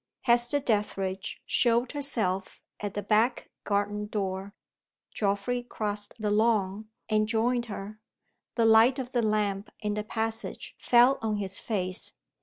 Hester Dethridge showed herself at the back garden door. Geoffrey crossed the lawn, and joined her. The light of the lamp in the passage fell on his face.